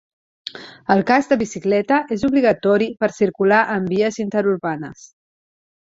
El casc de bicicleta és obligatori per circular en vies interurbanes.